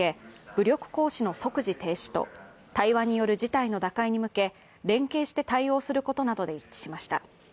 武力行使の即時停止と対話による事態打開に向け、連携して対応することなどで一致しました。